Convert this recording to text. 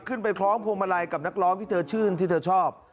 ขึ้นไปคล้องภูมิมาลัยกับนักร้องที่เธอชื่นที่เธอชอบ